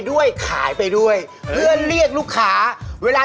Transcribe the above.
เอวใครก็สู้ผมไม่ได้นะครับผมโอ้โฮ